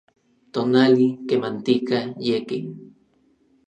tonali, kemantika, yekin